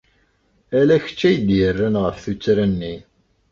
Ala kecc ay d-yerran ɣef tuttra-nni.